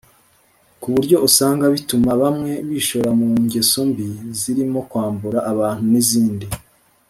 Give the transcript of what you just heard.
ku buryo usanga bituma bamwe bishora mu ngeso mbi zirimo kwambura abantu n’izindi